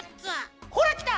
ほらきた！